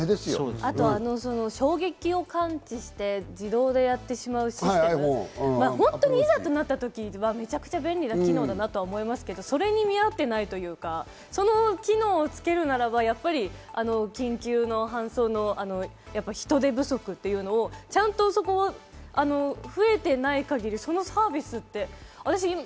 あと、衝撃を感知して自動でやってしまうシステム、本当にいざとなったときは、めちゃくちゃ便利な機能だなと思うけれども、それに見合っていないというか、その機能をつけるならば、緊急搬送の人手不足が増えてない限り、そのサービスって。